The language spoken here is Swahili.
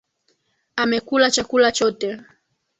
Amekula chakula chote.